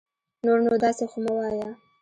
نور نو داسي خو مه وايه